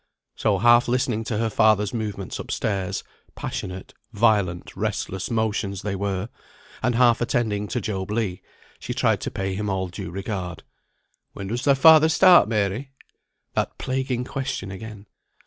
So half listening to her father's movements up stairs, (passionate, violent, restless motions they were) and half attending to Job Legh, she tried to pay him all due regard. "When does thy father start, Mary?" That plaguing question again.